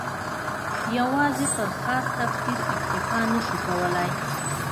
یوازې پر خاص تفسیر اکتفا نه شو کولای.